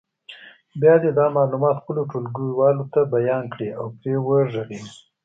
بیا دې دا معلومات خپلو ټولګیوالو ته بیان کړي او پرې وغږېږي.